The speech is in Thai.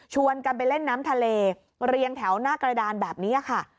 กันไปเล่นน้ำทะเลเรียงแถวหน้ากระดานแบบนี้ค่ะ